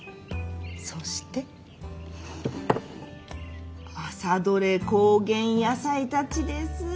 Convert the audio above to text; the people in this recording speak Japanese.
そして朝採れ高原野菜たちです。